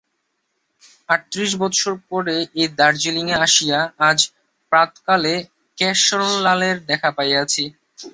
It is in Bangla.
আটত্রিশ বৎসর পরে এই দার্জিলিঙে আসিয়া আজ প্রাতঃকালে কেশরলালের দেখা পাইয়াছি।